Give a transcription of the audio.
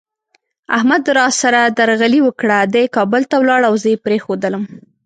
احمد را سره درغلي وکړه، دی کابل ته ولاړ او زه یې پرېښودلم.